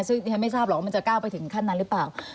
ซึ่งดิฉันไม่ทราบหรอกว่ามันจะก้าวไปถึงขั้นนั้นหรือเปล่า